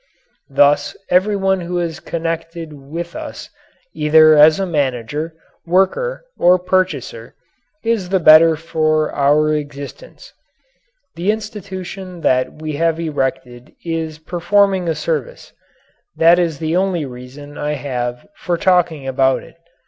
Thus everyone who is connected with us either as a manager, worker, or purchaser is the better for our existence. The institution that we have erected is performing a service. That is the only reason I have for talking about it.